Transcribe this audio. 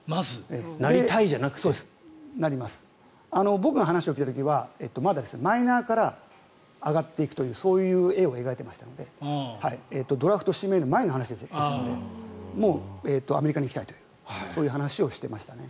僕が話を聞いた時はまだマイナーから上がっていくというそういう絵を描いていましたのでドラフト指名の前の話ですのでもうアメリカに行きたいとそういう話をしてましたね。